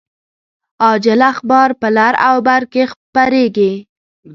عاجل اخبار په لر او بر کې خپریږي